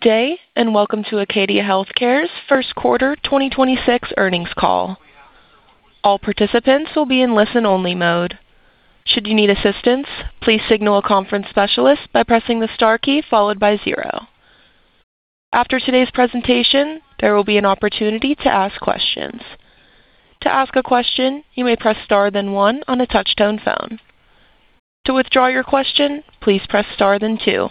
Day, welcome to Acadia Healthcare's 1st quarter 2026 Earnings Call. All participants will be in listen-only mode. Should you need assistance, please signal a conference specialist by pressing the star key followed by 0. After today's presentation, there will be an opportunity to ask questions. To ask a question, you may press Star then one on a touch-tone phone. To withdraw your question, please press Star then two.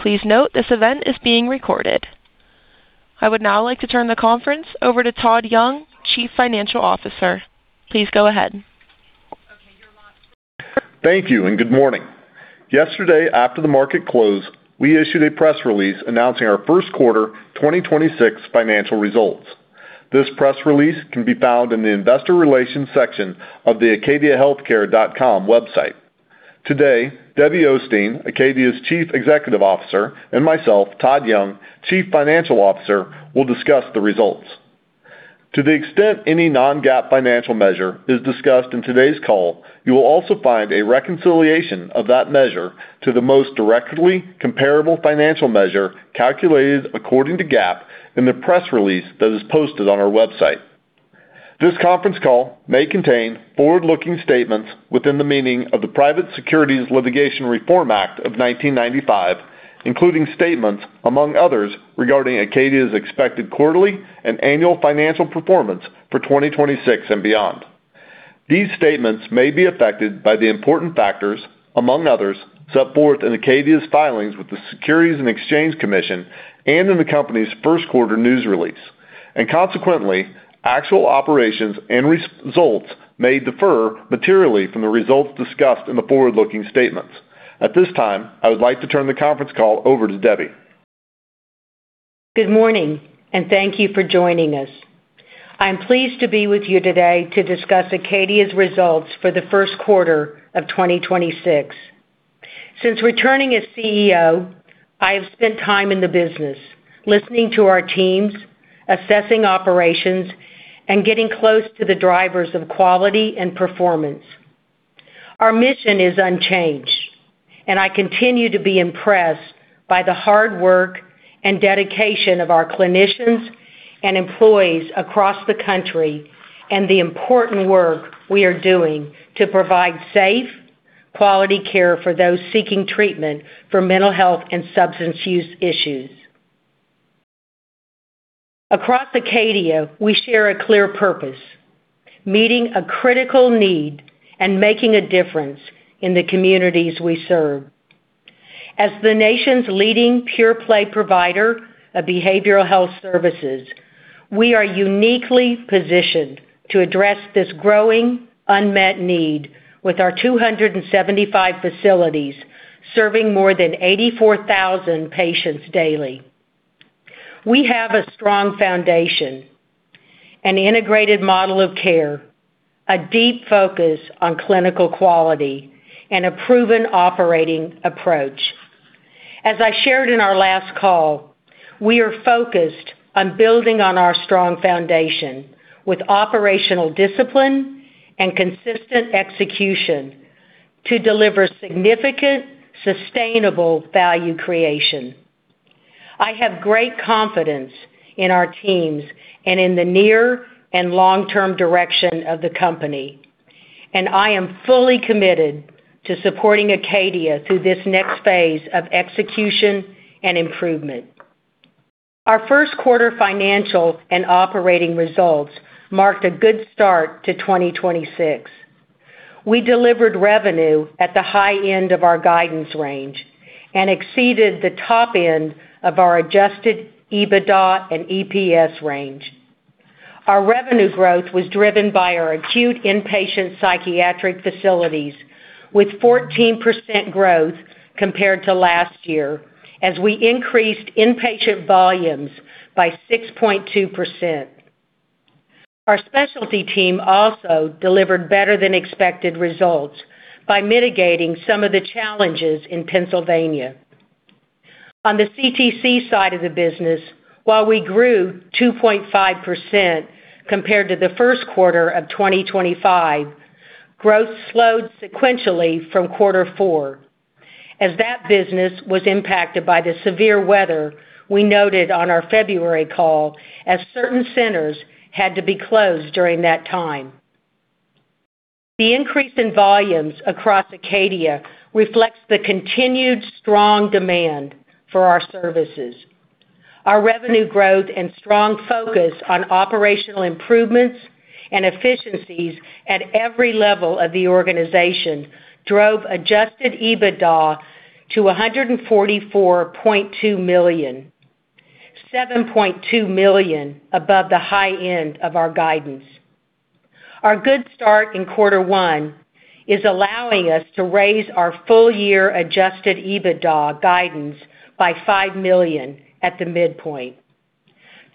Please note this event is being recorded. I would now like to turn the conference over to Todd Young, Chief Financial Officer. Please go ahead. Thank you and good morning. Yesterday, after the market closed, we issued a press release announcing our first quarter 2026 financial results. This press release can be found in the investor relations section of the acadiahealthcare.com website. Today, Debbie Osteen, Acadia's Chief Executive Officer, and myself, Todd Young, Chief Financial Officer, will discuss the results. To the extent any non-GAAP financial measure is discussed in today's call, you will also find a reconciliation of that measure to the most directly comparable financial measure calculated according to GAAP in the press release that is posted on our website. This conference call may contain forward-looking statements within the meaning of the Private Securities Litigation Reform Act of 1995, including statements among others regarding Acadia's expected quarterly and annual financial performance for 2026 and beyond. These statements may be affected by the important factors, among others, set forth in Acadia's filings with the Securities and Exchange Commission and in the company's first quarter news release, and consequently, actual operations and results may differ materially from the results discussed in the forward-looking statements. At this time, I would like to turn the conference call over to Debbie. Good morning and thank you for joining us. I'm pleased to be with you today to discuss Acadia's results for the first quarter of 2026. Since returning as CEO, I have spent time in the business listening to our teams, assessing operations, and getting close to the drivers of quality and performance. Our mission is unchanged, and I continue to be impressed by the hard work and dedication of our clinicians and employees across the country and the important work we are doing to provide safe, quality care for those seeking treatment for mental health and substance use issues. Across Acadia, we share a clear purpose: meeting a critical need and making a difference in the communities we serve. As the nation's leading pure-play provider of behavioral health services, we are uniquely positioned to address this growing unmet need with our 275 facilities serving more than 84,000 patients daily. We have a strong foundation, an integrated model of care, a deep focus on clinical quality, and a proven operating approach. As I shared in our last call, we are focused on building on our strong foundation with operational discipline and consistent execution to deliver significant, sustainable value creation. I have great confidence in our teams and in the near and long-term direction of the company, and I am fully committed to supporting Acadia through this next phase of execution and improvement. Our first quarter financial and operating results marked a good start to 2026. We delivered revenue at the high end of our guidance range and exceeded the top end of our Adjusted EBITDA and EPS range. Our revenue growth was driven by our acute inpatient psychiatric facilities, with 14% growth compared to last year as we increased inpatient volumes by 6.2%. Our specialty team also delivered better-than-expected results by mitigating some of the challenges in Pennsylvania. On the CTC side of the business, while we grew 2.5% compared to the first quarter of 2025, growth slowed sequentially from Q4 as that business was impacted by the severe weather we noted on our February call as certain centers had to be closed during that time. The increase in volumes across Acadia reflects the continued strong demand for our services. Our revenue growth and strong focus on operational improvements and efficiencies at every level of the organization drove Adjusted EBITDA to $144.2 million, $7.2 million above the high end of our guidance. Our good start in quarter one is allowing us to raise our full-year Adjusted EBITDA guidance by $5 million at the midpoint.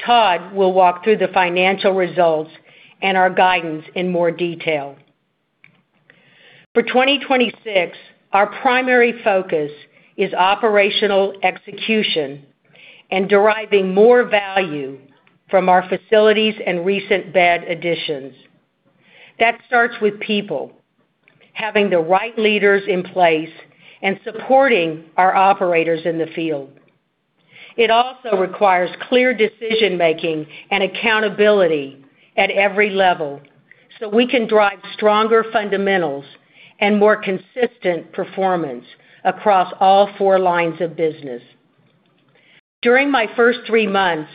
Todd will walk through the financial results and our guidance in more detail. For 2026, our primary focus is operational execution and deriving more value from our facilities and recent bed additions. That starts with people, having the right leaders in place and supporting our operators in the field. It also requires clear decision-making and accountability at every level so we can drive stronger fundamentals and more consistent performance across all four lines of business. During my first three months,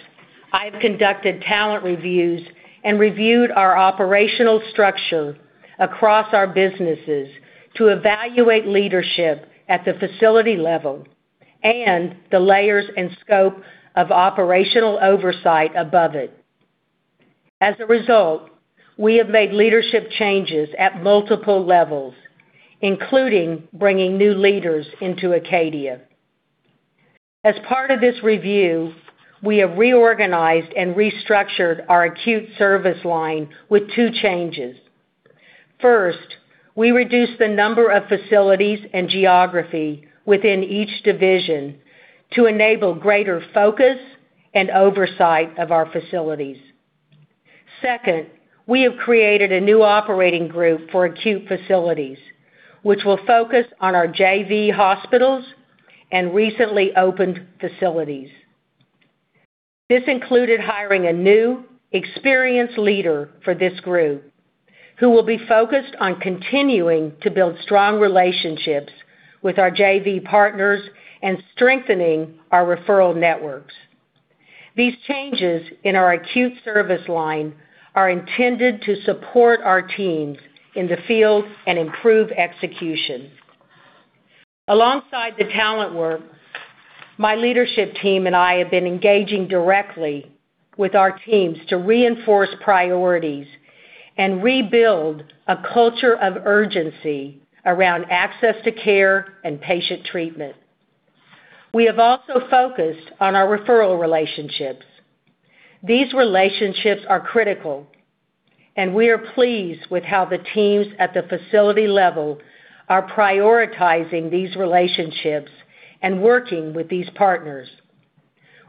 I've conducted talent reviews and reviewed our operational structure across our businesses to evaluate leadership at the facility level and the layers and scope of operational oversight above it. As a result, we have made leadership changes at multiple levels, including bringing new leaders into Acadia. As part of this review, we have reorganized and restructured our acute service line with two changes. First, we reduced the number of facilities and geography within each division to enable greater focus and oversight of our facilities. Second, we have created a new operating group for acute facilities, which will focus on our JV hospitals and recently opened facilities. This included hiring a new experienced leader for this group, who will be focused on continuing to build strong relationships with our JV partners and strengthening our referral networks. These changes in our acute service line are intended to support our teams in the field and improve execution. Alongside the talent work, my leadership team and I have been engaging directly with our teams to reinforce priorities and rebuild a culture of urgency around access to care and patient treatment. We have also focused on our referral relationships. These relationships are critical, and we are pleased with how the teams at the facility level are prioritizing these relationships and working with these partners.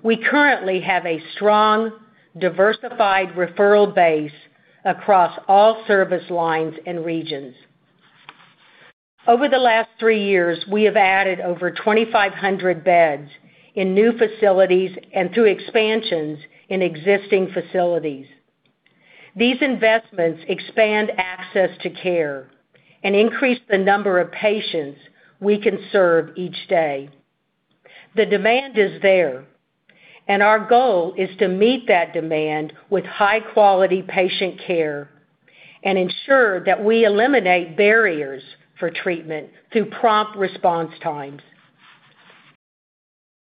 We currently have a strong, diversified referral base across all service lines and regions. Over the last three years, we have added over 2,500 beds in new facilities and through expansions in existing facilities. These investments expand access to care and increase the number of patients we can serve each day. The demand is there, and our goal is to meet that demand with high-quality patient care and ensure that we eliminate barriers for treatment through prompt response times.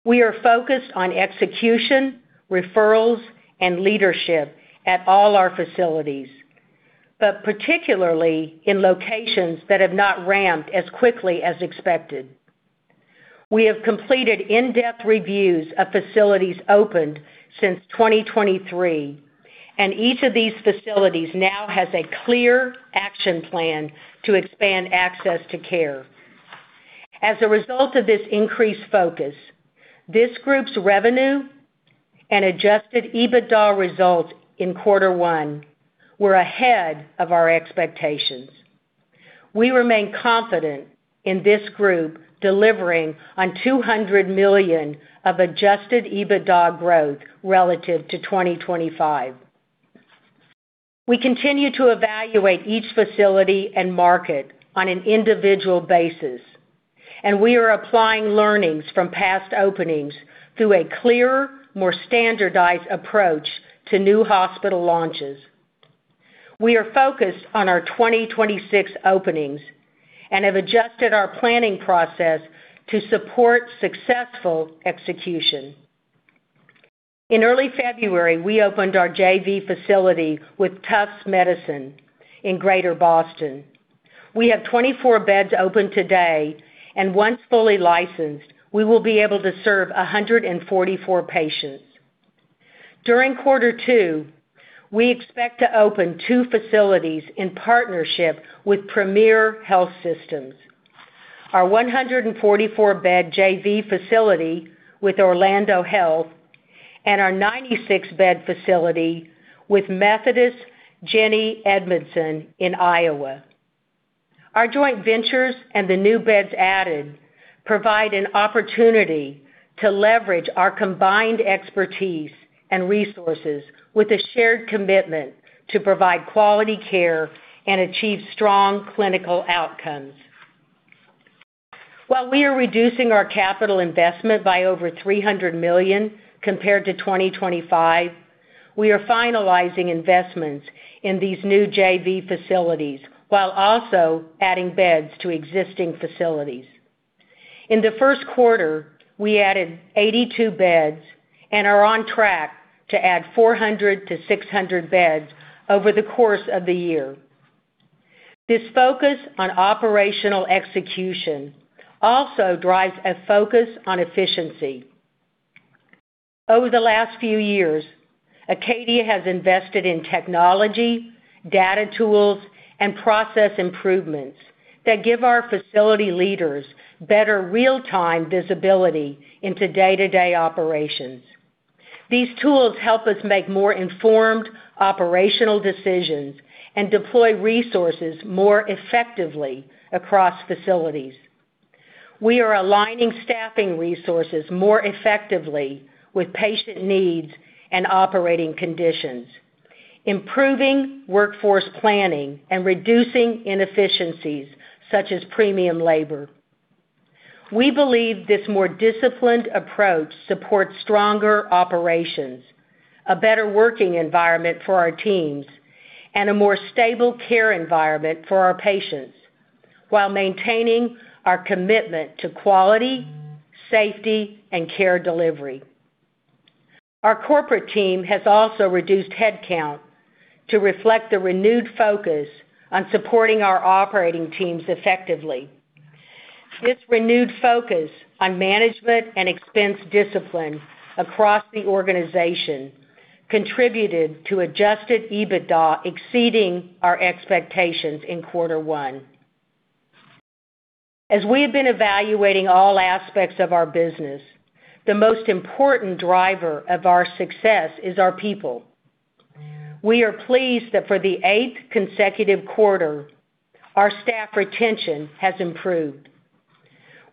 We are focused on execution, referrals, and leadership at all our facilities, but particularly in locations that have not ramped as quickly as expected. We have completed in-depth reviews of facilities opened since 2023, and each of these facilities now has a clear action plan to expand access to care. As a result of this increased focus, this group's revenue and Adjusted EBITDA results in quarter one were ahead of our expectations. We remain confident in this group delivering on $200 million of Adjusted EBITDA growth relative to 2025. We continue to evaluate each facility and market on an individual basis, and we are applying learnings from past openings through a clearer, more standardized approach to new hospital launches. We are focused on our 2026 openings and have adjusted our planning process to support successful execution. In early February, we opened our JV facility with Tufts Medicine in Greater Boston. We have 24 beds open today, and once fully licensed, we will be able to serve 144 patients. During Q2, we expect to open two facilities in partnership with Premier Health, our 144-bed JV facility with Orlando Health and our 96-bed facility w`ith Methodist Jennie Edmundson in Iowa. Our joint ventures and the new beds added provide an opportunity to leverage our combined expertise and resources with a shared commitment to provide quality care and achieve strong clinical outcomes. While we are reducing our capital investment by over $300 million compared to 2025, we are finalizing investments in these new JV facilities while also adding beds to existing facilities. In the first quarter, we added 82 beds and are on track to add 400 to 600 beds over the course of the year. This focus on operational execution also drives a focus on efficiency. Over the last few years, Acadia has invested in technology, data tools, and process improvements that give our facility leaders better real-time visibility into day-to-day operations. These tools help us make more informed operational decisions and deploy resources more effectively across facilities. We are aligning staffing resources more effectively with patient needs and operating conditions, improving workforce planning and reducing inefficiencies such as premium labor. We believe this more disciplined approach supports stronger operations, a better working environment for our teams, and a more stable care environment for our patients while maintaining our commitment to quality, safety, and care delivery. Our corporate team has also reduced headcount to reflect the renewed focus on supporting our operating teams effectively. This renewed focus on management and expense discipline across the organization contributed to Adjusted EBITDA exceeding our expectations in quarter one. As we have been evaluating all aspects of our business, the most important driver of our success is our people. We are pleased that for the eighth consecutive quarter, our staff retention has improved.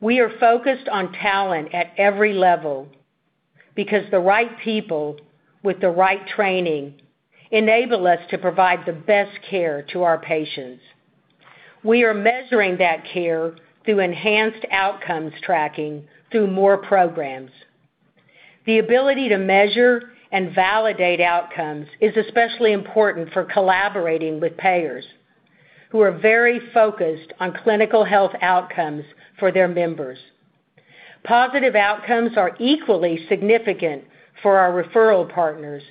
We are focused on talent at every level because the right people with the right training enable us to provide the best care to our patients. We are measuring that care through enhanced outcomes tracking through more programs. The ability to measure and validate outcomes is especially important for collaborating with payers who are very focused on clinical health outcomes for their members. Positive outcomes are equally significant for our referral partners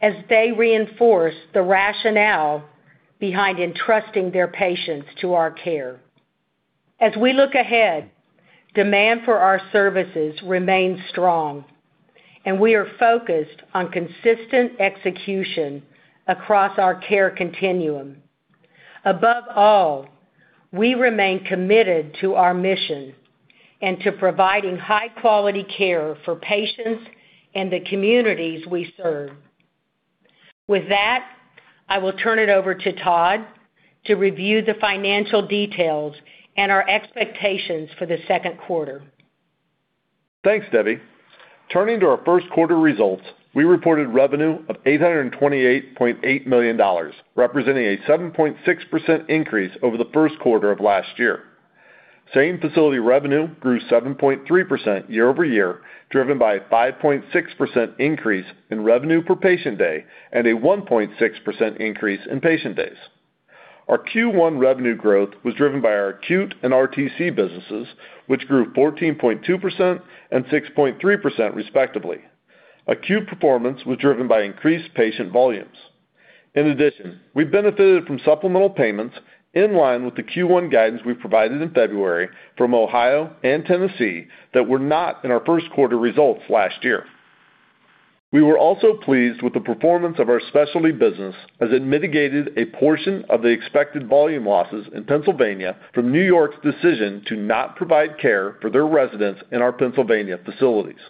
as they reinforce the rationale behind entrusting their patients to our care. As we look ahead, demand for our services remains strong, and we are focused on consistent execution across our care continuum. Above all, we remain committed to our mission and to providing high-quality care for patients and the communities we serve. With that, I will turn it over to Todd to review the financial details and our expectations for the second quarter. Thanks, Debbie. Turning to our first quarter results, we reported revenue of $828.8 million, representing a 7.6% increase over the first quarter of last year. Same-facility revenue grew 7.3% year-over-year, driven by a 5.6% increase in revenue per patient day and a 1.6% increase in patient days. Our Q1 revenue growth was driven by our acute and RTC businesses, which grew 14.2% and 6.3% respectively. Acute performance was driven by increased patient volumes. In addition, we benefited from supplemental payments in line with the Q1 guidance we provided in February from Ohio and Tennessee that were not in our first quarter results last year. We were also pleased with the performance of our specialty business as it mitigated a portion of the expected volume losses in Pennsylvania from New York's decision to not provide care for their residents in our Pennsylvania facilities.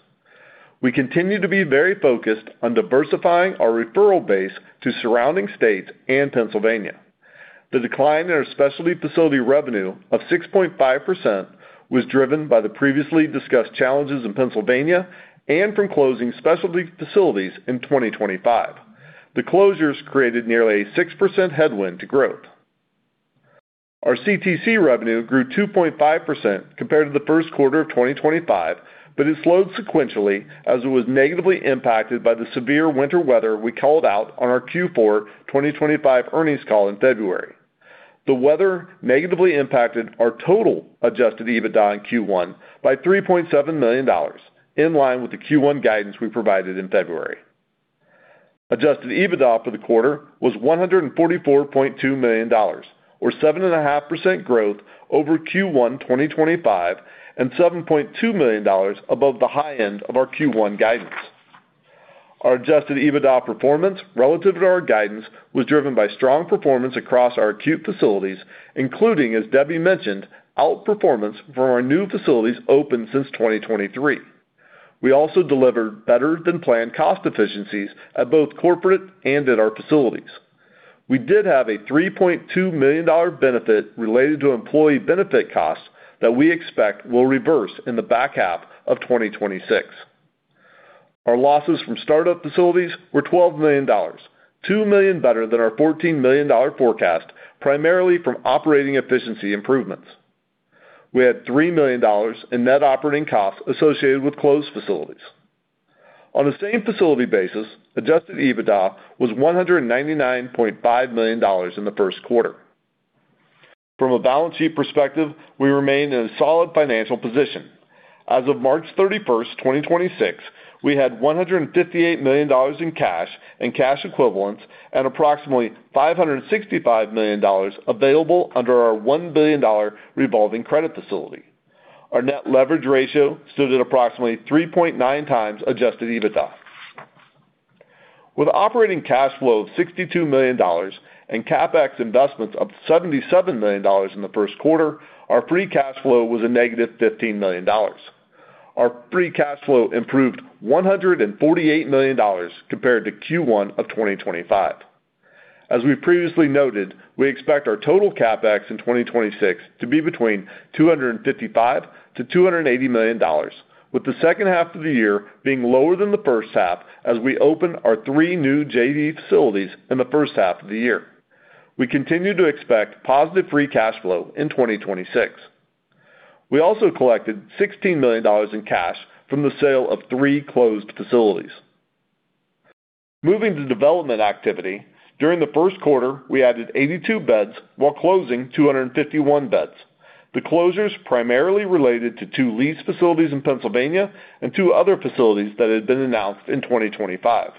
We continue to be very focused on diversifying our referral base to surrounding states and Pennsylvania. The decline in our specialty facility revenue of 6.5% was driven by the previously discussed challenges in Pennsylvania and from closing specialty facilities in 2025. The closures created nearly a 6% headwind to growth. Our CTC revenue grew 2.5% compared to the first quarter of 2025, but it slowed sequentially as it was negatively impacted by the severe winter weather we called out on our Q4 2025 earnings call in February. The weather negatively impacted our total Adjusted EBITDA in Q1 by $3.7 million, in line with the Q1 guidance we provided in February. Adjusted EBITDA for the quarter was $144.2 million, or 7.5% growth over Q1 2025 and $7.2 million above the high end of our Q1 guidance. Our Adjusted EBITDA performance relative to our guidance was driven by strong performance across our acute facilities, including, as Debbie mentioned, outperformance for our new facilities opened since 2023. We also delivered better-than-planned cost efficiencies at both corporate and at our facilities. We did have a $3.2 million benefit related to employee benefit costs that we expect will reverse in the back half of 2026. Our losses from startup facilities were $12 million, $2 million better than our $14 million forecast, primarily from operating efficiency improvements. We had $3 million in net operating costs associated with closed facilities. On a same-facility basis, Adjusted EBITDA was $199.5 million in the first quarter. From a balance sheet perspective, we remain in a solid financial position. As of March 31, 2026, we had $158 million in cash and cash equivalents and approximately $565 million available under our $1 billion revolving credit facility. Our net leverage ratio stood at approximately 3.9 times Adjusted EBITDA. With operating cash flow of $62 million and CapEx investments of $77 million in the first quarter, our free cash flow was a negative $15 million. Our free cash flow improved $148 million compared to Q1 of 2025. As we previously noted, we expect our total CapEx in 2026 to be between $255 million-$280 million, with the second half of the year being lower than the first half as we open our three new JV facilities in the first half of the year. We continue to expect positive free cash flow in 2026. We also collected $16 million in cash from the sale of three closed facilities. Moving to development activity, during the first quarter, we added 82 beds while closing 251 beds. The closures primarily related to two leased facilities in Pennsylvania and two other facilities that had been announced in 2025.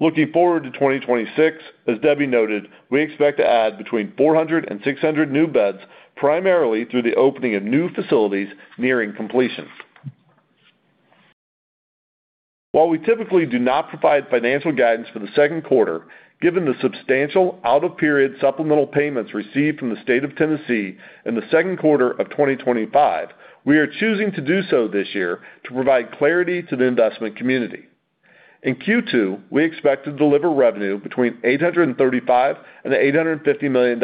Looking forward to 2026, as Debbie noted, we expect to add between 400 and 600 new beds, primarily through the opening of new facilities nearing completion. While we typically do not provide financial guidance for the second quarter, given the substantial out-of-period supplemental payments received from the state of Tennessee in the second quarter of 2025, we are choosing to do so this year to provide clarity to the investment community. In Q2, we expect to deliver revenue between $835 million and $850 million,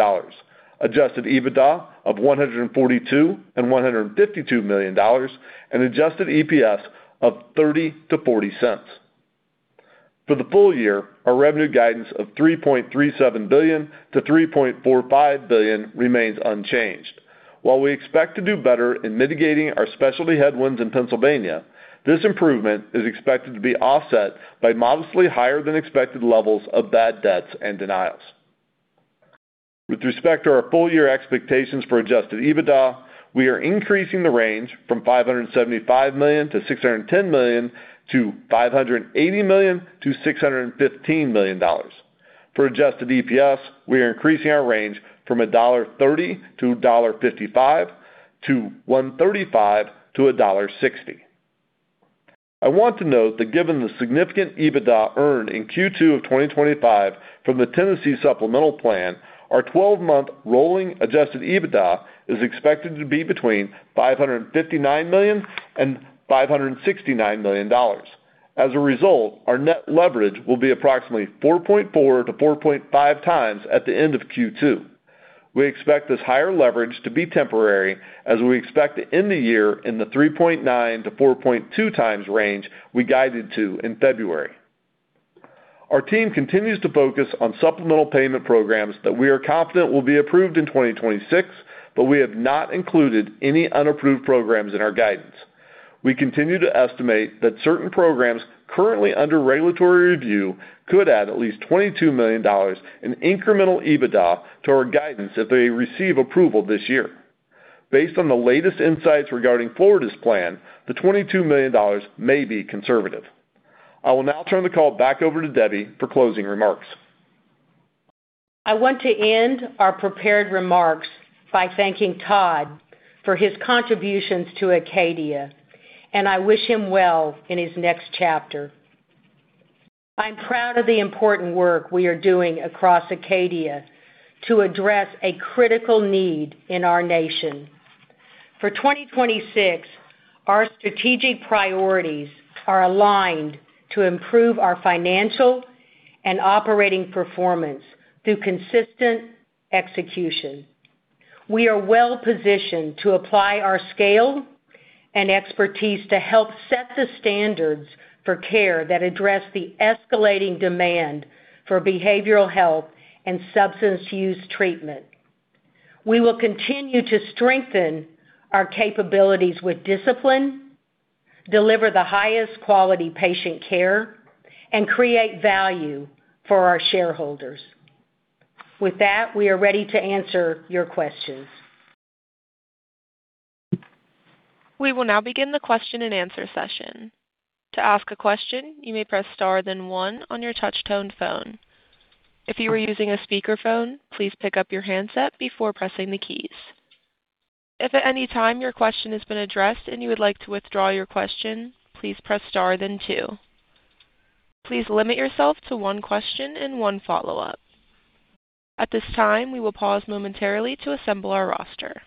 Adjusted EBITDA of $142 million and $152 million, and Adjusted EPS of $0.30 to $0.40. For the full year, our revenue guidance of $3.37 billion to $3.45 billion remains unchanged. While we expect to do better in mitigating our specialty headwinds in Pennsylvania, this improvement is expected to be offset by modestly higher than expected levels of bad debts and denials. With respect to our full year expectations for Adjusted EBITDA, we are increasing the range from $575 million-$610 million to $580 million-$615 million. For Adjusted EPS, we are increasing our range from $1.30-$1.55 to $1.35-$1.60. I want to note that given the significant EBITDA earned in Q2 of 2025 from the Tennessee supplemental plan, our 12-month rolling Adjusted EBITDA is expected to be between $559 million and $569 million. As a result, our net leverage will be approximately 4.4-4.5 times at the end of Q2. We expect this higher leverage to be temporary as we expect to end the year in the 3.9-4.2 times range we guided to in February. Our team continues to focus on supplemental payment programs that we are confident will be approved in 2026, but we have not included any unapproved programs in our guidance. We continue to estimate that certain programs currently under regulatory review could add at least $22 million in incremental EBITDA to our guidance if they receive approval this year. Based on the latest insights regarding Florida's plan, the $22 million may be conservative. I will now turn the call back over to Debbie for closing remarks. I want to end our prepared remarks by thanking Todd for his contributions to Acadia, and I wish him well in his next chapter. I'm proud of the important work we are doing across Acadia to address a critical need in our nation. For 2026, our strategic priorities are aligned to improve our financial and operating performance through consistent execution. We are well positioned to apply our scale and expertise to help set the standards for care that address the escalating demand for behavioral health and substance use treatment. We will continue to strengthen our capabilities with discipline, deliver the highest quality patient care, and create value for our shareholders. With that, we are ready to answer your questions. We will now begin the question-and-answer session. To ask a question, you may press star then one on your touch-tone phone. If you are using a speakerphone, please pick up your handset before pressing the keys. If at any time your question has been addressed and you would like to withdraw your question, please press star then two. Please limit yourself to one question and one follow-up. At this time, we will pause momentarily to assemble our roster.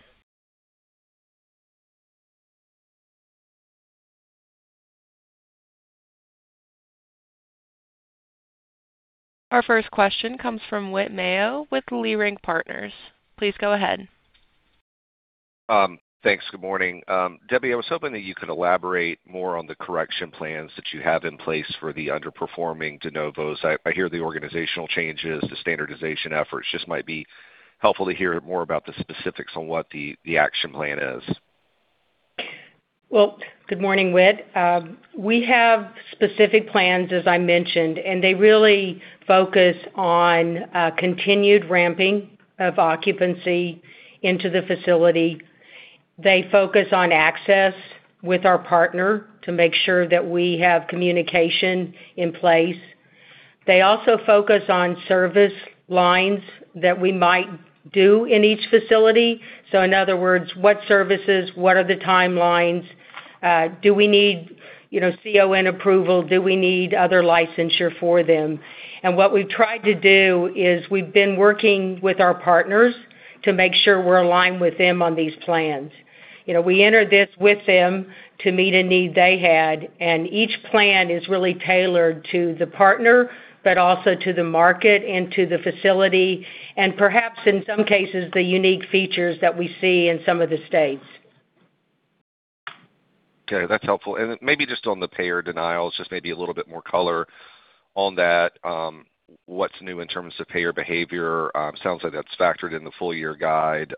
Our first question comes from Whit Mayo with Leerink Partners. Please go ahead. Thanks. Good morning. Debbie, I was hoping that you could elaborate more on the correction plans that you have in place for the underperforming de novos. I hear the organizational changes, the standardization efforts. Just might be helpful to hear more about the specifics on what the action plan is. Well, good morning, Whit. We have specific plans, as I mentioned, and they really focus on continued ramping of occupancy into the facility. They focus on access with our partner to make sure that we have communication in place. They also focus on service lines that we might do in each facility. In other words, what services, what are the timelines? Do we need, you know, CON approval? Do we need other licensure for them? What we've tried to do is we've been working with our partners to make sure we're aligned with them on these plans. You know, we entered this with them to meet a need they had, and each plan is really tailored to the partner, but also to the market and to the facility, and perhaps in some cases, the unique features that we see in some of the states. Okay, that's helpful. maybe just on the payer denials, just maybe a little bit more color on that. What's new in terms of payer behavior? Sounds like that's factored in the full year guide.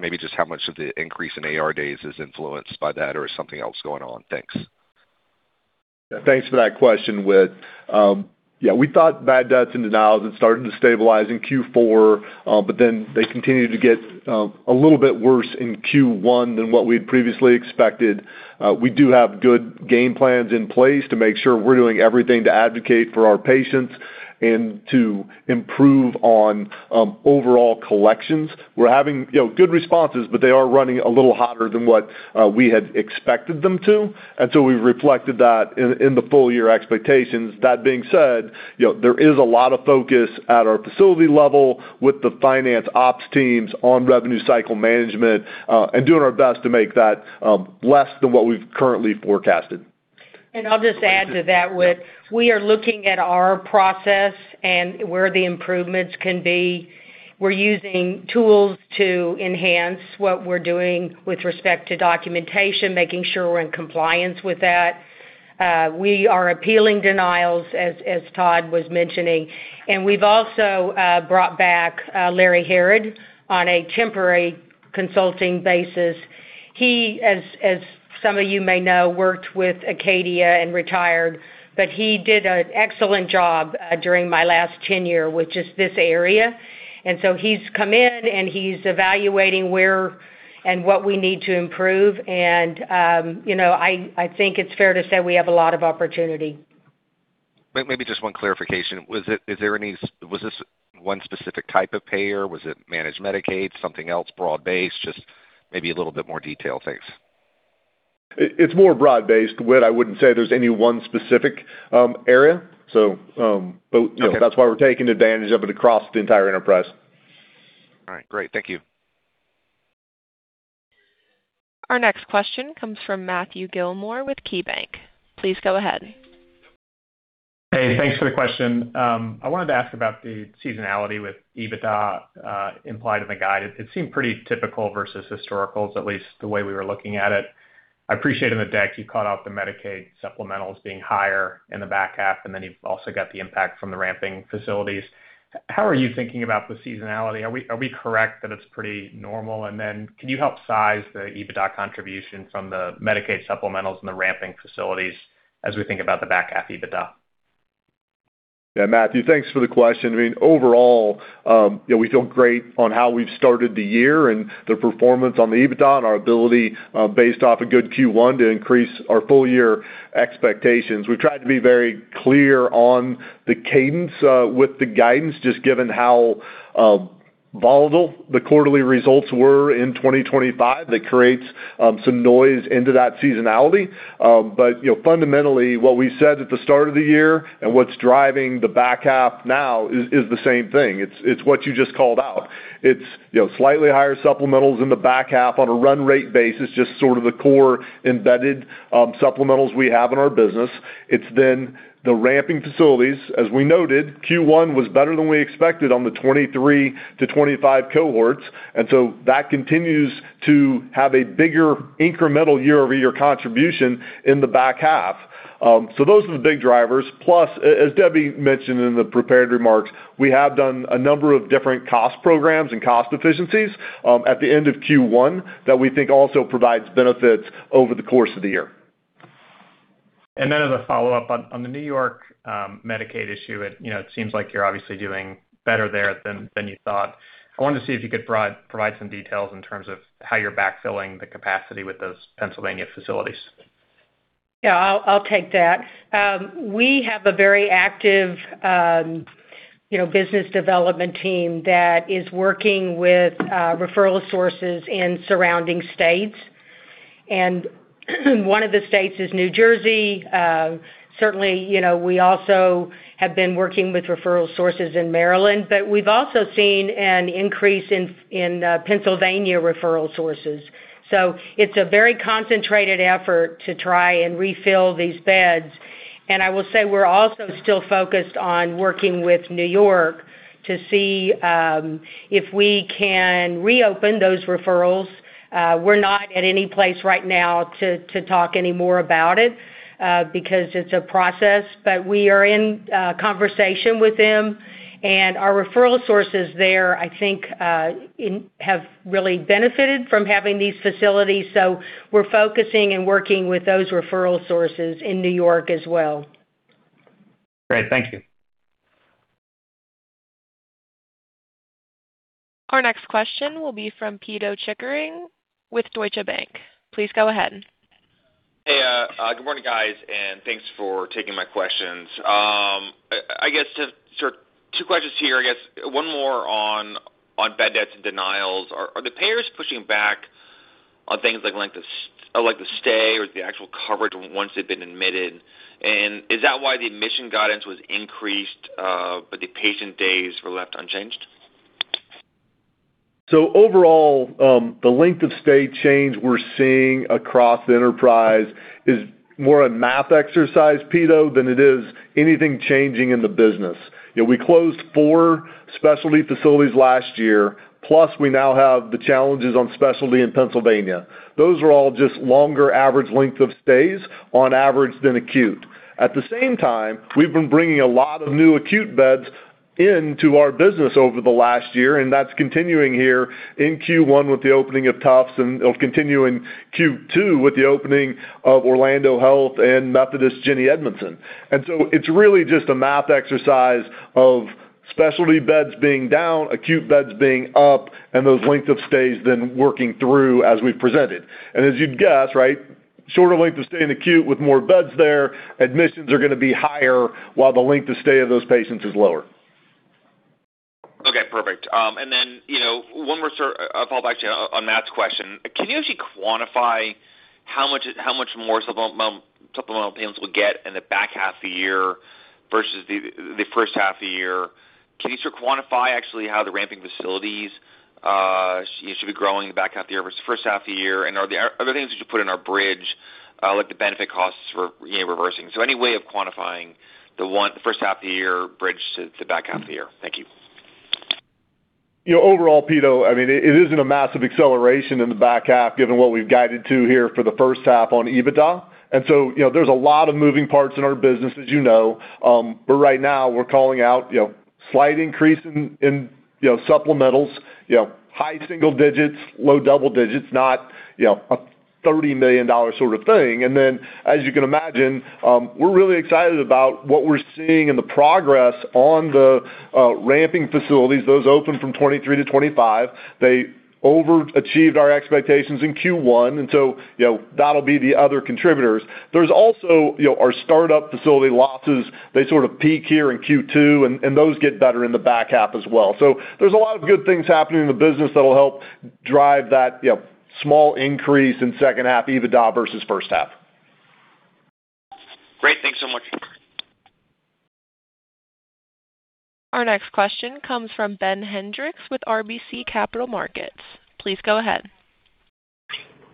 maybe just how much of the increase in AR days is influenced by that or is something else going on? Thanks. Yeah, thanks for that question, Whit. We thought bad debts and denials had started to stabilize in Q4, they continued to get a little bit worse in Q1 than what we had previously expected. We do have good game plans in place to make sure we're doing everything to advocate for our patients and to improve on overall collections. We're having, you know, good responses, but they are running a little hotter than what we had expected them to. We've reflected that in the full year expectations. That being said, you know, there is a lot of focus at our facility level with the finance ops teams on revenue cycle management, and doing our best to make that less than what we've currently forecasted. I'll just add to that, Whit. We are looking at our process and where the improvements can be. We're using tools to enhance what we're doing with respect to documentation, making sure we're in compliance with that. We are appealing denials, as Todd was mentioning. We've also brought back Larry Herod on a temporary consulting basis. He, as some of you may know, worked with Acadia and retired, but he did an excellent job during my last tenure, which is this area. He's come in, and he's evaluating where and what we need to improve. You know, I think it's fair to say we have a lot of opportunity. Maybe just one clarification. Was this one specific type of payer? Was it managed Medicaid, something else, broad-based? Just maybe a little bit more detail. Thanks. It's more broad-based, Whit. I wouldn't say there's any one specific area. You know, that's why we're taking advantage of it across the entire enterprise. All right. Great. Thank you. Our next question comes from Matthew Gillmor with KeyBanc. Please go ahead. Hey, thanks for the question. I wanted to ask about the seasonality with EBITDA implied in the guide. It seemed pretty typical versus historicals, at least the way we were looking at it. I appreciate in the deck you called out the Medicaid supplementals being higher in the back half, and then you've also got the impact from the ramping facilities. How are you thinking about the seasonality? Are we correct that it's pretty normal? Can you help size the EBITDA contribution from the Medicaid supplementals and the ramping facilities as we think about the back half EBITDA? Yeah, Matthew, thanks for the question. I mean, overall, you know, we feel great on how we've started the year and the performance on the EBITDA and our ability, based off a good Q1 to increase our full year expectations. We've tried to be very clear on the cadence with the guidance, just given how volatile the quarterly results were in 2025. That creates some noise into that seasonality. You know, fundamentally, what we said at the start of the year and what's driving the back half now is the same thing. It's what you just called out. It's, you know, slightly higher supplementals in the back half on a run rate basis, just sort of the core embedded supplementals we have in our business. It's the ramping facilities. As we noted, Q1 was better than we expected on the 23 to 25 cohorts. That continues to have a bigger incremental year-over-year contribution in the back half. Those are the big drivers. Plus, as Debbie mentioned in the prepared remarks, we have done a number of different cost programs and cost efficiencies at the end of Q1 that we think also provides benefits over the course of the year. As a follow-up, on the New York Medicaid issue, you know, it seems like you're obviously doing better there than you thought. I wanted to see if you could provide some details in terms of how you're backfilling the capacity with those Pennsylvania facilities. Yeah, I'll take that. We have a very active, you know, business development team that is working with referral sources in surrounding states. One of the states is New Jersey. Certainly, you know, we also have been working with referral sources in Maryland, but we've also seen an increase in Pennsylvania referral sources. It's a very concentrated effort to try and refill these beds. I will say we're also still focused on working with New York to see if we can reopen those referrals. We're not at any place right now to talk any more about it, because it's a process, but we are in conversation with them. Our referral sources there, I think, have really benefited from having these facilities. We're focusing and working with those referral sources in New York as well. Great. Thank you. Our next question will be from Pito Chickering with Deutsche Bank. Please go ahead. Hey, good morning, guys, thanks for taking my questions. I guess to sort two questions here, I guess one more on bad debts and denials. Are the payers pushing back on things like length of stay or the actual coverage once they've been admitted? Is that why the admission guidance was increased, but the patient days were left unchanged? Overall, the length of stay change we're seeing across the enterprise is more a math exercise, Pito, than it is anything changing in the business. You know, we closed four specialty facilities last year, plus we now have the challenges on specialty in Pennsylvania. Those are all just longer average length of stays on average than acute. At the same time, we've been bringing a lot of new acute beds into our business over the last year, and that's continuing here in Q1 with the opening of Tufts Medicine and it'll continue in Q2 with the opening of Orlando Health and Methodist Jennie Edmundson Hospital. It's really just a math exercise of specialty beds being down, acute beds being up, and those length of stays then working through as we've presented. As you'd guess, right, shorter length of stay in acute with more beds there, admissions are gonna be higher while the length of stay of those patients is lower. Okay, perfect. Then, you know, one more sort of follow back to you on Matt's question. Can you actually quantify how much more supplemental payments will get in the back half of the year versus the first half of the year? Can you sort of quantify actually how the ramping facilities should be growing the back half of the year versus first half of the year? Are there things you should put in our bridge, like the benefit costs for, you know, reversing? Any way of quantifying the first half of the year bridge to back half of the year? Thank you. You know, overall, Pito, I mean, it isn't a massive acceleration in the back half given what we've guided to here for the first half on EBITDA. You know, there's a lot of moving parts in our business, as you know. Right now we're calling out, you know, slight increase in, you know, supplementals, you know, high single digits, low double digits, not, you know, a $30 million sort of thing. As you can imagine, we're really excited about what we're seeing and the progress on the ramping facilities. Those open from 2023-2025. They overachieved our expectations in Q1, you know, that'll be the other contributors. There's also, you know, our startup facility losses. They sort of peak here in Q2, and those get better in the back half as well. There's a lot of good things happening in the business that'll help drive that, you know, small increase in second half EBITDA versus first half. Great. Thanks so much. Our next question comes from Ben Hendrix with RBC Capital Markets. Please go ahead.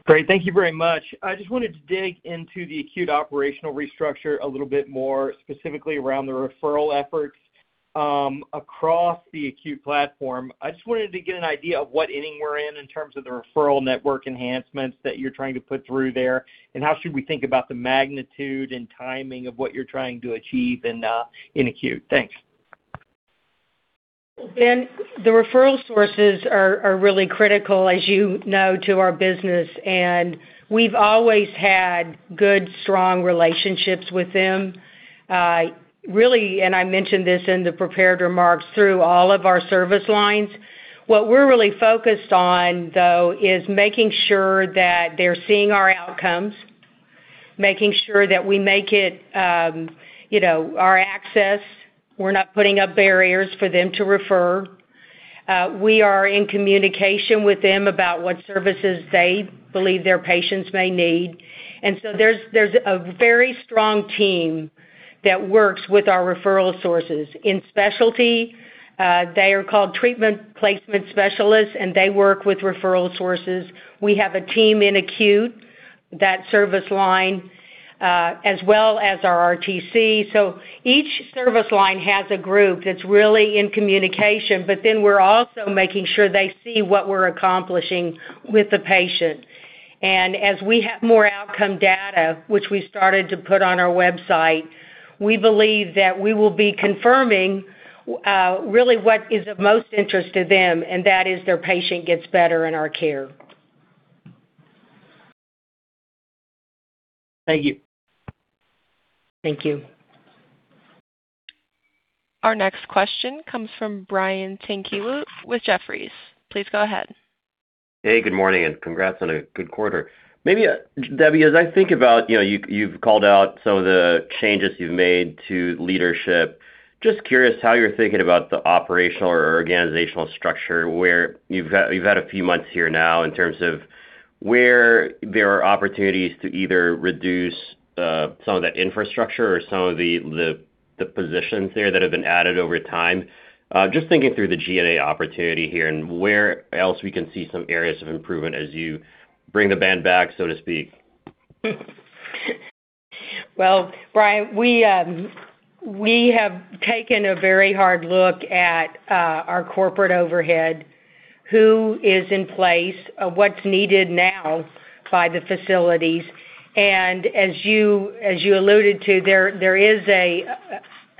Great. Thank you very much. I just wanted to dig into the acute operational restructure a little bit more specifically around the referral efforts across the acute platform. I just wanted to get an idea of what inning we're in in terms of the referral network enhancements that you're trying to put through there, and how should we think about the magnitude and timing of what you're trying to achieve in acute? Thanks. Ben, the referral sources are really critical, as you know, to our business, and we've always had good, strong relationships with them. Really, I mentioned this in the prepared remarks through all of our service lines. What we're really focused on, though, is making sure that they're seeing our outcomes, making sure that we make it, you know, our access. We're not putting up barriers for them to refer. We are in communication with them about what services they believe their patients may need. There's a very strong team that works with our referral sources. In specialty, they are called treatment placement specialists, and they work with referral sources. We have a team in acute, that service line, as well as our RTC. Each service line has a group that's really in communication, but then we're also making sure they see what we're accomplishing with the patient. As we have more outcome data, which we started to put on our website, we believe that we will be confirming, really what is of most interest to them, and that is their patient gets better in our care. Thank you. Thank you. Our next question comes from Brian Tanquilut with Jefferies. Please go ahead. Hey, good morning, and congrats on a good quarter. Maybe, Debbie, as I think about, you know, you've called out some of the changes you've made to leadership. Just curious how you're thinking about the operational or organizational structure, where you've had a few months here now in terms of where there are opportunities to either reduce some of that infrastructure or some of the positions there that have been added over time. Just thinking through the G&A opportunity here and where else we can see some areas of improvement as you bring the band back, so to speak. Brian, we have taken a very hard look at our corporate overhead, who is in place, what's needed now by the facilities. As you alluded to, there is a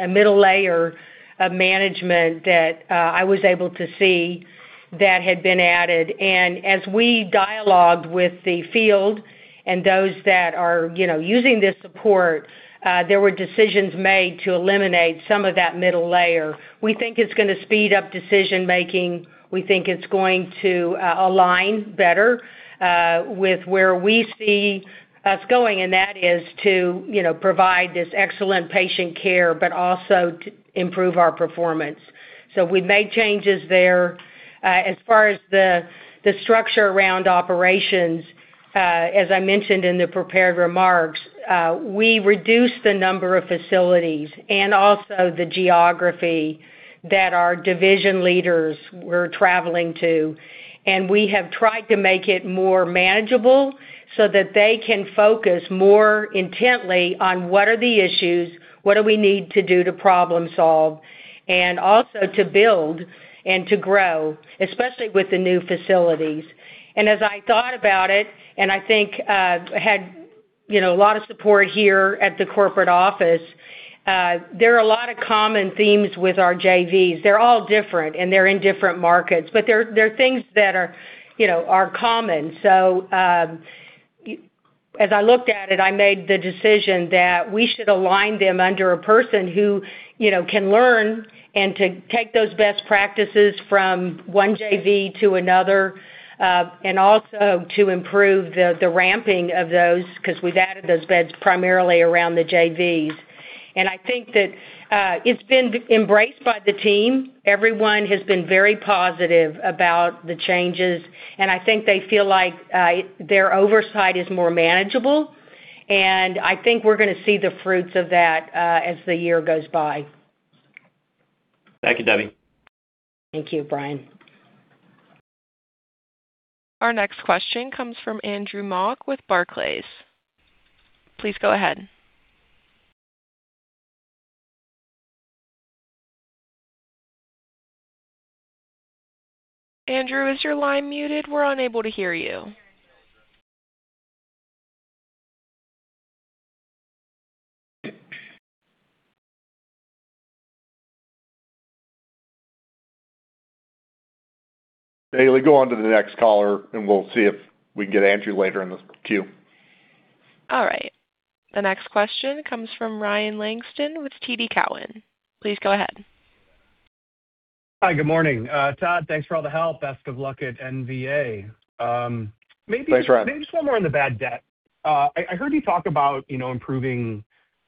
middle layer of management that I was able to see that had been added. As we dialogued with the field and those that are, you know, using this support, there were decisions made to eliminate some of that middle layer. We think it's gonna speed up decision-making. We think it's going to align better with where we see us going, and that is to, you know, provide this excellent patient care, but also to improve our performance. We've made changes there. As far as the structure around operations, as I mentioned in the prepared remarks, we reduced the number of facilities and also the geography that our division leaders were traveling to. We have tried to make it more manageable so that they can focus more intently on what are the issues, what do we need to do to problem solve, and also to build and to grow, especially with the new facilities. As I thought about it, and I think, had, you know, a lot of support here at the corporate office, there are a lot of common themes with our JVs. They're all different, and they're in different markets, but there are things that are, you know, are common. As I looked at it, I made the decision that we should align them under a person who, you know, can learn and to take those best practices from one JV to another, and also to improve the ramping of those, 'cause we've added those beds primarily around the JVs. I think that it's been embraced by the team. Everyone has been very positive about the changes, and I think they feel like their oversight is more manageable. I think we're gonna see the fruits of that as the year goes by. Thank you, Debbie. Thank you, Brian. Our next question comes from Andrew Mok with Barclays. Please go ahead. Andrew, is your line muted? We are unable to hear you. Hayley, go on to the next caller, and we'll see if we can get Andrew later in the queue. All right. The next question comes from Ryan Langston with TD Cowen. Please go ahead. Hi, good morning. Todd, thanks for all the help. Best of luck at NVA. Thanks, Ryan. Maybe just one more on the bad debt. I heard you talk about, you know, improving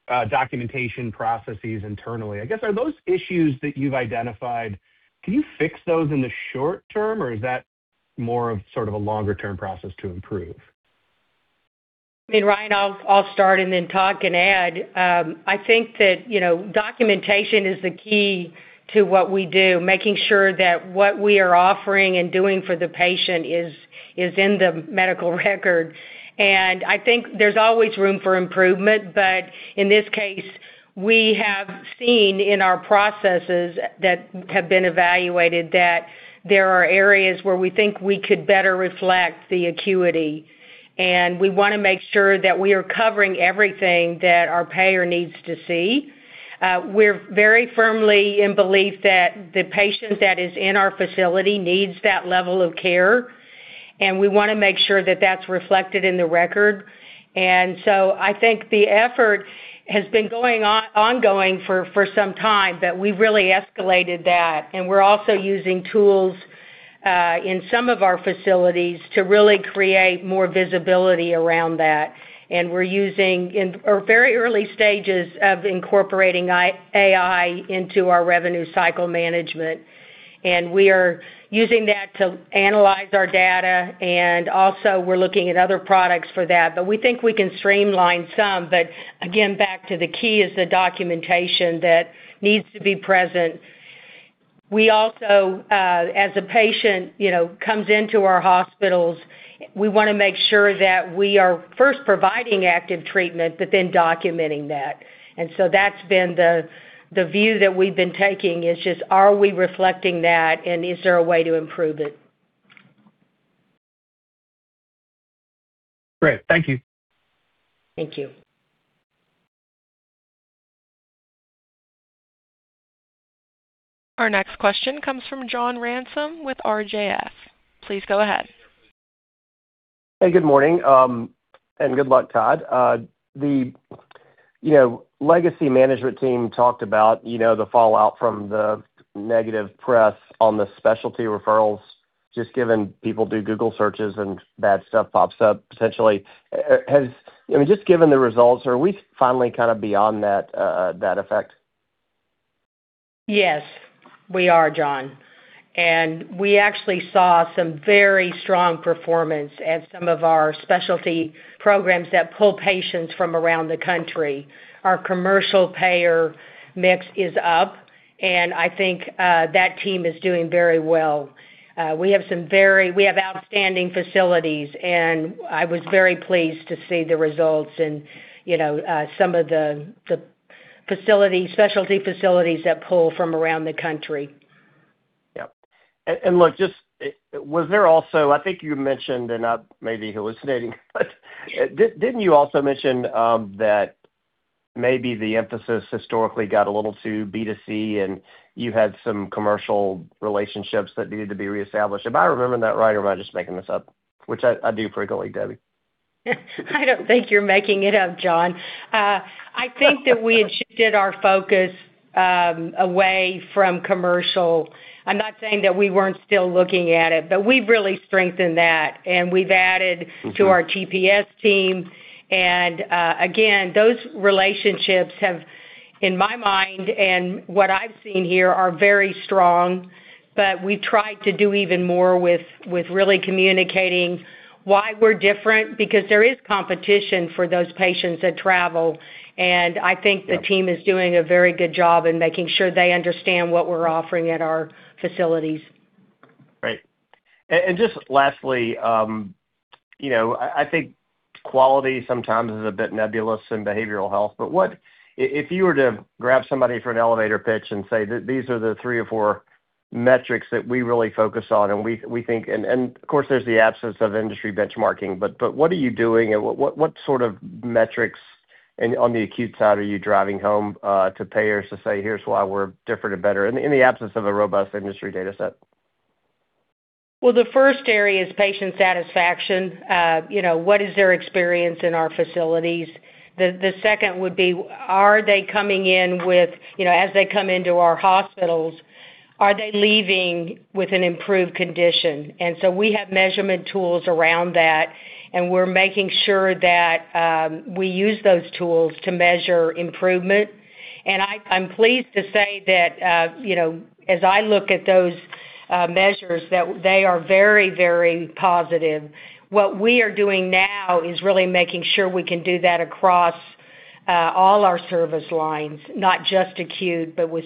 documentation processes internally. I guess, are those issues that you've identified, can you fix those in the short term, or is that more of sort of a longer term process to improve? I mean, Ryan, I'll start, then Todd can add. I think that, you know, documentation is the key to what we do, making sure that what we are offering and doing for the patient is in the medical record. I think there's always room for improvement, but in this case, we have seen in our processes that have been evaluated that there are areas where we think we could better reflect the acuity, and we wanna make sure that we are covering everything that our payer needs to see. We're very firmly in belief that the patient that is in our facility needs that level of care, and we wanna make sure that that's reflected in the record. I think the effort has been going ongoing for some time, but we've really escalated that, and we're also using tools in some of our facilities to really create more visibility around that. We're using very early stages of incorporating AI into our revenue cycle management, and we are using that to analyze our data, and also we're looking at other products for that. We think we can streamline some. Again, back to the key is the documentation that needs to be present. We also, as a patient, you know, comes into our hospitals, we wanna make sure that we are first providing active treatment, but then documenting that. That's been the view that we've been taking is just are we reflecting that, and is there a way to improve it? Great. Thank you. Thank you. Our next question comes from John Ransom with RJF. Please go ahead. Hey, good morning, and good luck, Todd. The, you know, legacy management team talked about, you know, the fallout from the negative press on the specialty referrals, just given people do Google searches and bad stuff pops up potentially. I mean, just given the results, are we finally kind of beyond that effect? Yes, we are, John. We actually saw some very strong performance at some of our specialty programs that pull patients from around the country. Our commercial payer mix is up, and I think that team is doing very well. We have outstanding facilities, and I was very pleased to see the results in, you know, some of the specialty facilities that pull from around the country. Yeah. Look, just, I think you mentioned, and I may be hallucinating, but didn't you also mention, that maybe the emphasis historically got a little too B2C, and you had some commercial relationships that needed to be reestablished? Am I remembering that right, or am I just making this up, which I do frequently, Debbie? I don't think you're making it up, John. I think that we had shifted our focus, away from commercial. I'm not saying that we weren't still looking at it, but we've really strengthened that to our BPS team. Again, those relationships have in my mind and what I've seen here are very strong, but we try to do even more with really communicating why we're different because there is competition for those patients that travel. I think the team is doing a very good job in making sure they understand what we're offering at our facilities. Great. Just lastly, you know, I think quality sometimes is a bit nebulous in behavioral health, but if you were to grab somebody for an elevator pitch and say that these are the three or four metrics that we really focus on and we think. Of course, there's the absence of industry benchmarking, but what are you doing and what sort of metrics on the acute side are you driving home to payers to say, "Here's why we're different and better," in the absence of a robust industry data set? The first area is patient satisfaction. You know, what is their experience in our facilities? The second would be, are they coming in with, you know, as they come into our hospitals, are they leaving with an improved condition? We have measurement tools around that, and we're making sure that we use those tools to measure improvement. I'm pleased to say that, you know, as I look at those measures, that they are very, very positive. What we are doing now is really making sure we can do that across all our service lines, not just acute, but with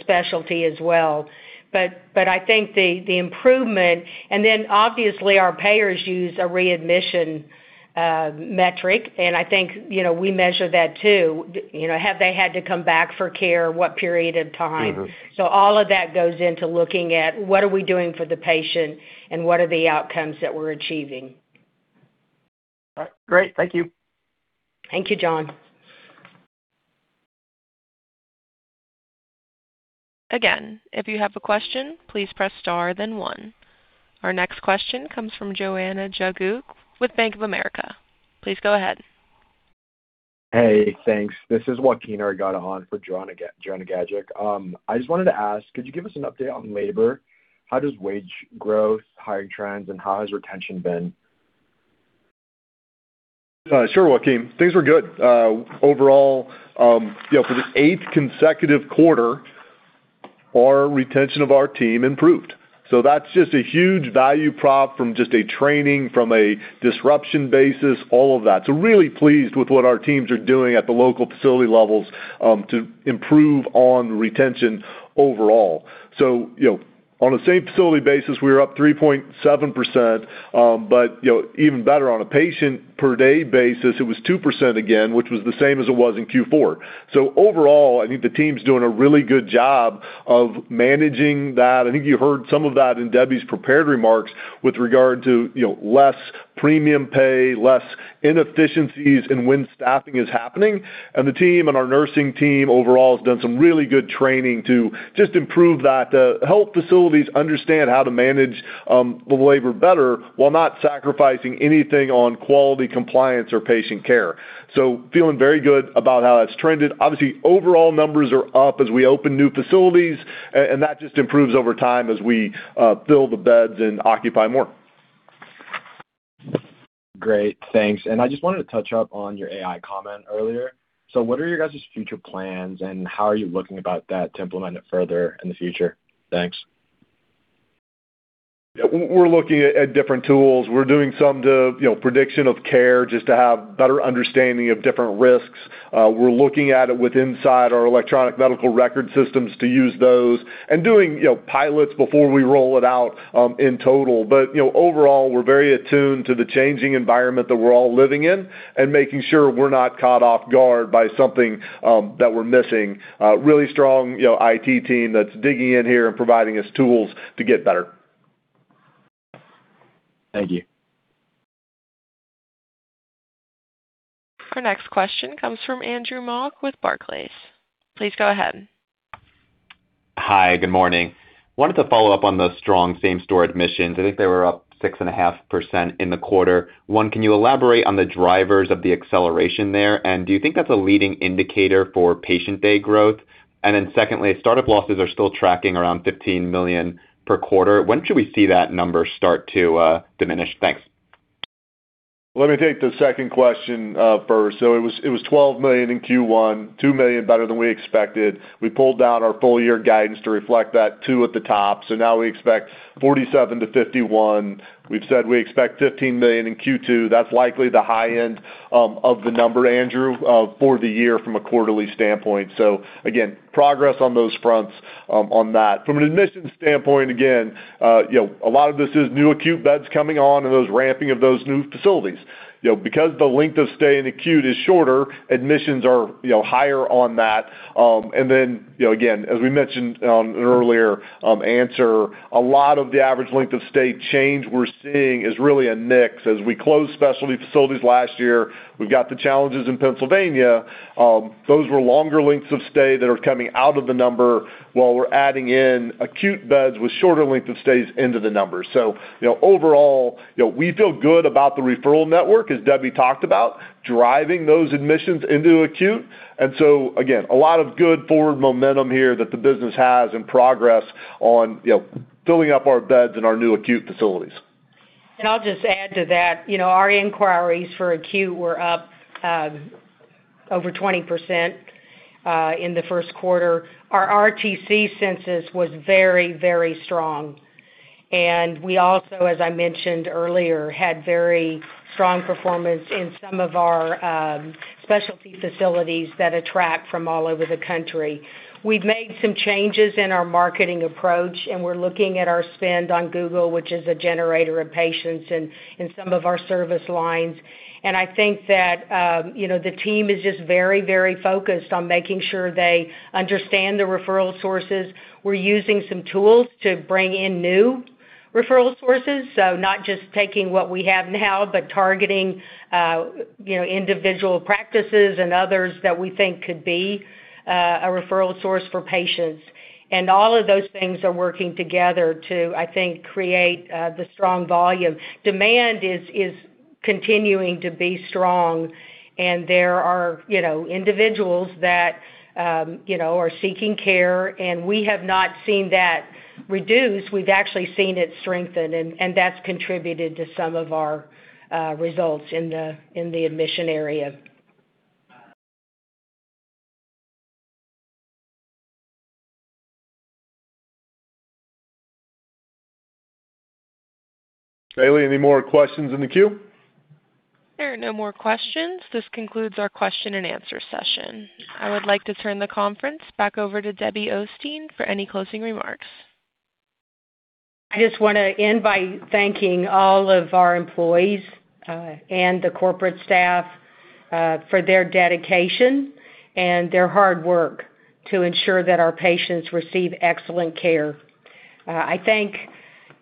specialty as well. I think the improvement. Obviously, our payers use a readmission metric, and I think, you know, we measure that too. You know, have they had to come back for care? What period of time? Mm-hmm. All of that goes into looking at what are we doing for the patient and what are the outcomes that we're achieving. All right. Great. Thank you. Thank you, John. If you have a question, please press star then one. Our next question comes from Joanna Gajek with Bank of America. Please go ahead. Hey, thanks. This is Joaquim Argadah for Joanna Gajek. I just wanted to ask, could you give us an update on labor? How does wage growth, hiring trends, and how has retention been? Sure, Joaquim. Things were good. Overall, you know, for the eighth consecutive quarter, our retention of our team improved. That's just a huge value prop from just a training, from a disruption basis, all of that. Really pleased with what our teams are doing at the local facility levels to improve on retention overall. You know, on a same-facility basis, we were up 3.7%, but, you know, even better on a patient per day basis, it was 2% again, which was the same as it was in Q4. Overall, I think the team's doing a really good job of managing that. I think you heard some of that in Debbie's prepared remarks with regard to, you know, less premium pay, less inefficiencies in when staffing is happening. The team and our nursing team overall has done some really good training to just improve that, to help facilities understand how to manage the labor better while not sacrificing anything on quality, compliance, or patient care. Feeling very good about how that's trended. Obviously, overall numbers are up as we open new facilities and that just improves over time as we fill the beds and occupy more. Great. Thanks. I just wanted to touch up on your AI comment earlier. What are your guys' future plans, and how are you looking about that to implement it further in the future? Thanks. We're looking at different tools. We're doing some to, you know, prediction of care just to have better understanding of different risks. We're looking at it with inside our electronic medical record systems to use those and doing, you know, pilots before we roll it out in total. You know, overall, we're very attuned to the changing environment that we're all living in and making sure we're not caught off guard by something that we're missing. Really strong, you know, IT team that's digging in here and providing us tools to get better. Thank you. Our next question comes from Andrew Mok with Barclays. Please go ahead. Hi. Good morning. Wanted to follow up on the strong same-store admissions. I think they were up 6.5% in the quarter. One, can you elaborate on the drivers of the acceleration there? Do you think that's a leading indicator for patient day growth? Secondly, startup losses are still tracking around $15 million per quarter. When should we see that number start to diminish? Thanks. Let me take the second question first. It was $12 million in Q1, $2 million better than we expected. We pulled down our full year guidance to reflect that 2 at the top. Now we expect $47 million-$51 million. We've said we expect $15 million in Q2. That's likely the high end of the number, Andrew, for the year from a quarterly standpoint. Again, progress on those fronts on that. From an admissions standpoint, again, you know, a lot of this is new acute beds coming on and those ramping of those new facilities. You know, because the length of stay in acute is shorter, admissions are, you know, higher on that. Then, you know, again, as we mentioned on an earlier answer, a lot of the average length of stay change we're seeing is really a mix. As we closed specialty facilities last year, we've got the challenges in Pennsylvania. Those were longer lengths of stay that are coming out of the number, while we're adding in acute beds with shorter length of stays into the numbers. You know, overall, you know, we feel good about the referral network, as Debbie talked about, driving those admissions into acute. Again, a lot of good forward momentum here that the business has and progress on, you know, filling up our beds in our new acute facilities. I'll just add to that, you know, our inquiries for acute were up over 20% in the first quarter. Our RTC census was very, very strong. We also, as I mentioned earlier, had very strong performance in some of our specialty facilities that attract from all over the country. We've made some changes in our marketing approach, and we're looking at our spend on Google, which is a generator of patients in some of our service lines. I think that, you know, the team is just very, very focused on making sure they understand the referral sources. We're using some tools to bring in new referral sources, so not just taking what we have now, but targeting, you know, individual practices and others that we think could be a referral source for patients. All of those things are working together to, I think, create the strong volume. Demand is continuing to be strong, and there are, you know, individuals that, you know, are seeking care, and we have not seen that reduce. We've actually seen it strengthen, and that's contributed to some of our results in the admission area. Haley, any more questions in the queue? There are no more questions. This concludes our question-and-answer session. I would like to turn the conference back over to Debbie Osteen for any closing remarks. I just wanna end by thanking all of our employees and the corporate staff for their dedication and their hard work to ensure that our patients receive excellent care. I thank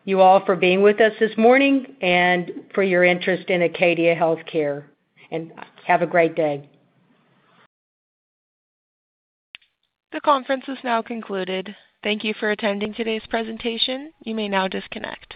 you all for being with us this morning and for your interest in Acadia Healthcare, and have a great day. The conference is now concluded. Thank you for attending today's presentation. You may now disconnect.